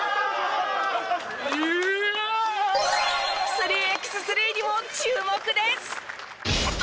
３ｘ３にも注目です！